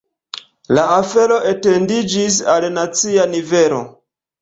La afero etendiĝis al nacia nivelo.